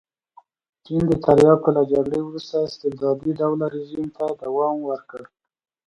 چین د تریاکو له جګړې وروسته استبدادي ډوله رژیم ته دوام ورکړ.